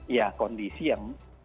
ya kondisi yang